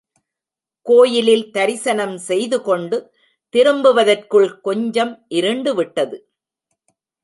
கோயிலில் தரிசனம் செய்து கொண்டு திரும்புவதற்குள் கொஞ்சம் இருண்டுவிட்டது.